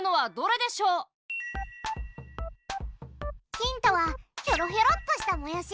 ヒントはひょろひょろっとしたもやし。